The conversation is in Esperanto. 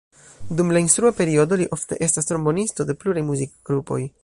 Dum la instrua periodo li ofte estas trombonisto de pluraj muzikgrupoj.